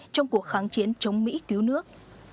trong cuộc kháng chiến chống mỹ cứu nước